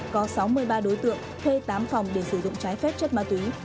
có sáu mươi ba đối tượng thuê tám phòng để sử dụng trái phép chất ma túy